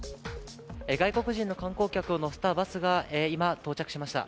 外国人の観光客を乗せたバスが今、到着しました。